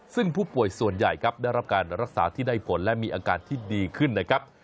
ซึ่งผู้ป่วยส่วนใหญ่ครับได้รับการรักษาที่ได้ผลและมีอาการที่ดีขึ้นนะครับ